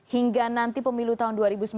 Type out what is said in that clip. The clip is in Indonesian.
hingga nanti pemilu tahun dua ribu sembilan belas